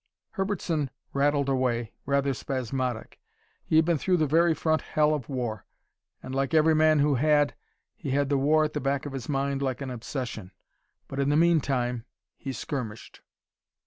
Herbertson rattled away, rather spasmodic. He had been through the very front hell of the war and like every man who had, he had the war at the back of his mind, like an obsession. But in the meantime, he skirmished.